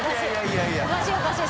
おかしい。